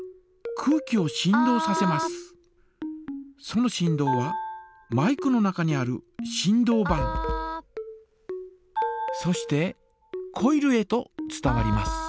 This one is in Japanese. その振動はマイクの中にある振動板そしてコイルへと伝わります。